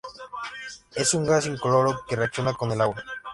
Es un gas incoloro que reacciona con el agua.